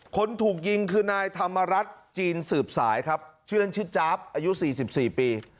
คนถูกยิงคือนายธรรมรัฐจีนสืบสายครับชื่อเล่นชื่อจ๊าบอายุ๔๔ปี